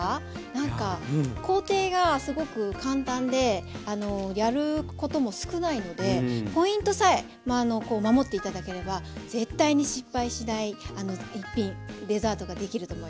なんか工程がすごく簡単でやることも少ないのでポイントさえ守って頂ければ絶対に失敗しない一品デザートができると思います。